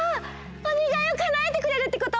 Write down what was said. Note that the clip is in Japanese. おねがいをかなえてくれるってこと？